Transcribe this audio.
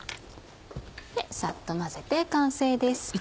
さっと混ぜて完成です。